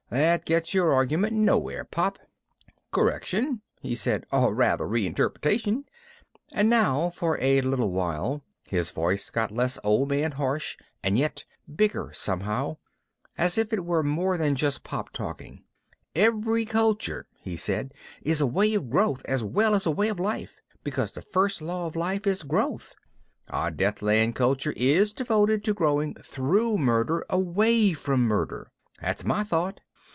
That gets your argument nowhere, Pop." "Correction," he said. "Or rather, re interpretation." And now for a little while his voice got less old man harsh and yet bigger somehow, as if it were more than just Pop talking. "Every culture," he said, "is a way of growth as well as a way of life, because the first law of life is growth. Our Deathland culture is devoted to growing through murder away from murder. That's my thought.